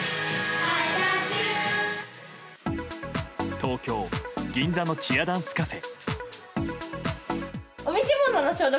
東京・銀座のチアダンスカフェ。